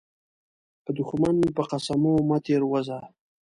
د دښمن په قسمو مه تير وزه.